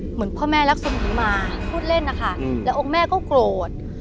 เหมือนพ่อแม่รักษมีมาพูดเล่นนะคะแล้วองค์แม่ก็โกรธ